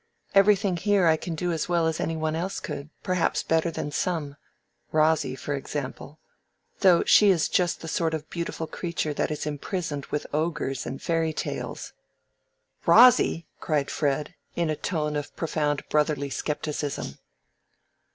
Everything here I can do as well as any one else could; perhaps better than some—Rosy, for example. Though she is just the sort of beautiful creature that is imprisoned with ogres in fairy tales." "Rosy!" cried Fred, in a tone of profound brotherly scepticism.